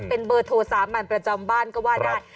เป็นเบอร์โทรสามัญประจำบ้านก็ว่าได้